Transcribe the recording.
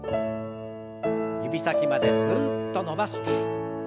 指先まですっと伸ばして。